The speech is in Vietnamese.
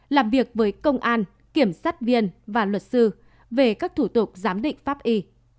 làm việc với công an kiểm sát viên và luật sư về các thủ tục giám định pháp y